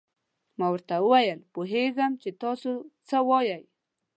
ما ورته وویل: پوهېږم چې تاسو څه وایئ.